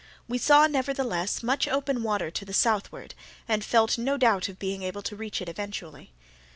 We saw, nevertheless, much open water to the southward, and felt no doubt of being able to reach it eventually.